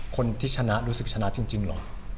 คนที่ชนะรู้สึกชนะจริงเหรอ